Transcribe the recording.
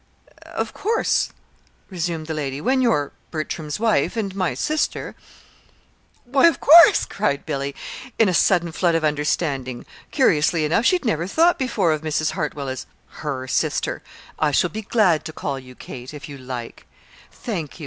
"Of course," resumed the lady, "when you're Bertram's wife and my sister " "Why, of course," cried Billy, in a sudden flood of understanding. Curiously enough, she had never before thought of Mrs. Hartwell as her sister. "I shall be glad to call you 'Kate' if you like." "Thank you.